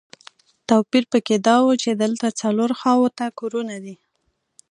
توپیر په کې دا و چې دلته څلورو خواوو ته کورونه دي.